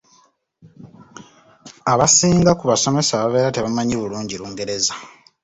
Abasinga ku basomesa babeera tebamanyi bulungi Lungereza.